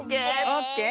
オッケー？